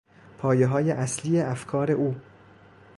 پایههای اصلی افکار او